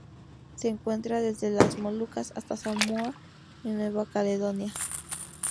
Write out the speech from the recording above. Se encuentra desde las Molucas hasta Samoa y Nueva Caledonia.